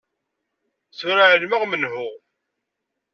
Tura ɛelmeɣ menhu.